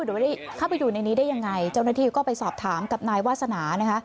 หรือไม่ได้เข้าไปดูในนี้ได้ยังไงเจ้าหน้าที่ก็ไปสอบถามกับนายวาสนานะคะ